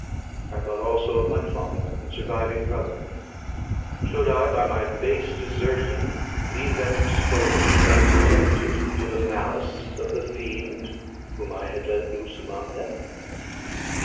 I thought also of my father, and surviving brother: should I by my base desertion leave them exposed and unprotected to the malice of the fiend whom I had let loose among them?